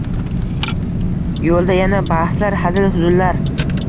Yo’lda yana bahslar, hazil-huzullar…